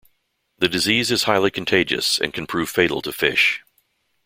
The disease is highly contagious and can prove fatal to fish.